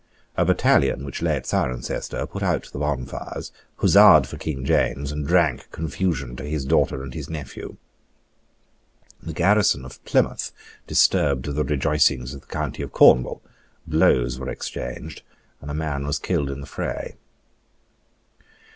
A battalion which lay at Cirencester put out the bonfires, huzzaed for King James, and drank confusion to his daughter and his nephew. The garrison of Plymouth disturbed the rejoicings of the County of Cornwall: blows were exchanged, and a man was killed in the fray.